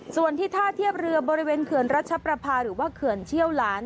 ส่วนที่ท่าเทียบเรือบริเวณเขื่อนรัชประพาหรือว่าเขื่อนเชี่ยวหลาน